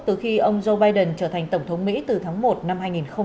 từ khi ông joe biden trở thành tổng thống mỹ từ tháng một năm hai nghìn hai mươi một